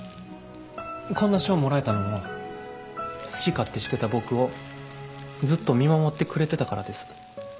こんな賞もらえたのも好き勝手してた僕をずっと見守ってくれてたからです。